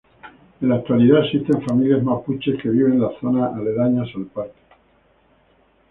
En la actualidad, existen familias mapuches que viven en las zonas aledañas al parque.